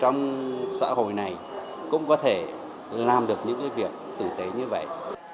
trong xã hội này cũng có thể làm được những việc tử tế như vậy